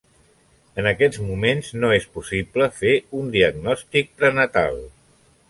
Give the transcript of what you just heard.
En aquests moments no és possible fer un diagnòstic prenatal.